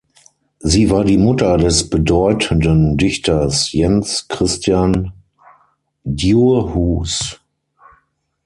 Sie war die Mutter des bedeutenden Dichters Jens Christian Djurhuus.